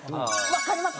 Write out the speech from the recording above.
わかります？